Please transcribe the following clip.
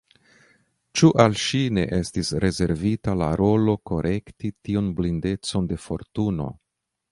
Ĉu al ŝi ne estis rezervita la rolo korekti tiun blindecon de Fortuno.